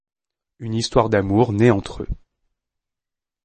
Une histoire d'amour naît entre eux.